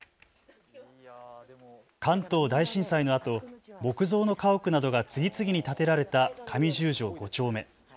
関東大震災のあと木造の家屋などが次々に建てられた上十条５丁目。